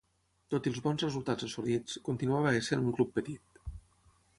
Tot i els bons resultats assolits, continuava essent un club petit.